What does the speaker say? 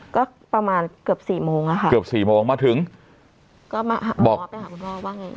ก็ประมาณเกือบสี่โมงอะค่ะเกือบสี่โมงมาถึงก็มาบอกว่าไปหาคุณพ่อว่าไง